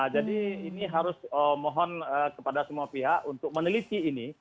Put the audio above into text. jadi ini harus mohon kepada semua pihak untuk meneliti ini